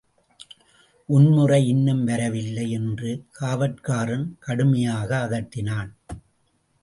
உன் முறை இன்னும் வரவில்லை! என்று காவற்காரன் கடுமையாக அதட்டினான்.